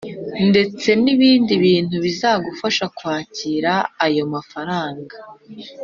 Ndetse n’ibindi bintu bizagufasha kwakira ayo mafaranga